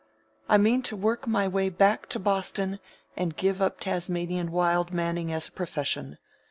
I mean to work my way back to Boston and give up Tasmanian Wild Man ing as a profession.